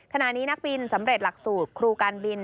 ขณะนี้นักบินสำเร็จหลักสูตรครูการบิน